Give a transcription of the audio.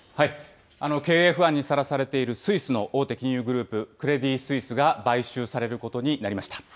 経営不安にさらされているスイスの大手金融グループ、クレディ・スイスが買収されることになりました。